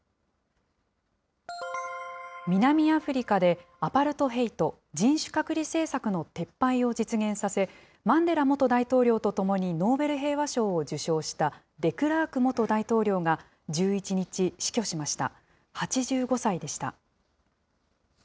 南アフリカでアパルトヘイト・人種隔離政策の撤廃を実現させ、マンデラ元大統領と共にノーベル平和賞を受賞したデクラーク元大統領が１１日、死去しました。